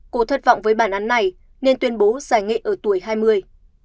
cô thất vọng với bản án này nên tuyên bố giải nghệ ở tuổi hai mươi